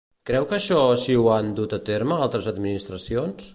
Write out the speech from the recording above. Creu que això si ho han dut a terme altres administracions?